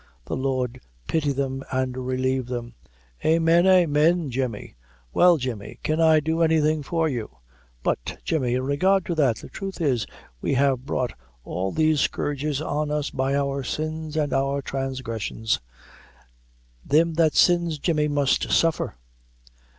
The Lord pity them an' relieve them!" "Amen, amen, Jemmy! Well, Jemmy, can I do any thing for you? But Jemmy, in regard to that, the thruth is, we have brought all these scourges on us by our sins and our transgressions; thim that sins, Jemmy, must suffer."